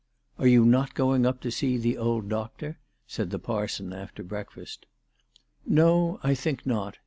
" Are you not going up to see the old doctor ?" said the parson after breakfast. " No ; I think not.